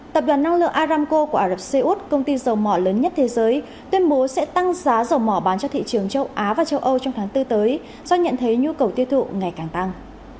tập đoàn năng lượng aramco của ả rập xê út công ty dầu mỏ lớn nhất thế giới tuyên bố sẽ tăng giá dầu mỏ bán cho thị trường châu á và châu âu trong tháng bốn tới do nhận thấy nhu cầu tiêu thụ ngày càng tăng